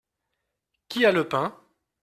Qui a le pain ?